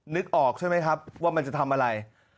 นึกออกใช่ไหมครับว่ามันจะทำอะไร